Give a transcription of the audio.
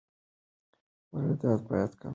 واردات باید کم شي.